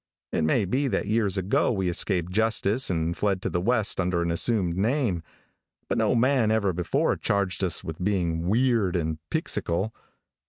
It may be that years ago we escaped justice and fled to the west under an assumed name, but no man ever before charged us with being weird and pixycal.